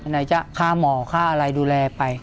ไหนจะฆ่าหมอค่าอะไรดูแลไป